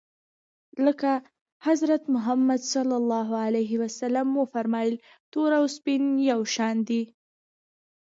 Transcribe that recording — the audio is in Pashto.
لکه حضرت محمد ص و فرمایل تور او سپین یو شان دي.